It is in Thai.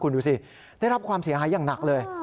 คุณดูสิได้รับความเสียหายอย่างหนักเลย